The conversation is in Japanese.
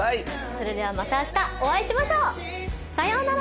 それではまた明日お会いしましょう。さようなら！